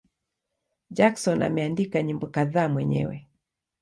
Jackson ameandika nyimbo kadhaa mwenyewe.